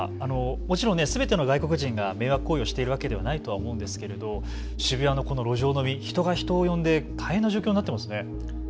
もちろんすべての外国人が迷惑行為をしているわけではないと思うんですが渋谷のこの路上飲み、人が人を呼んで大変な状況になっていますね。